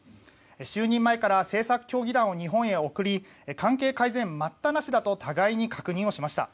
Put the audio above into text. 就任前から政策協議団を日本に送り関係改善待ったなしだと互いに確認をしました。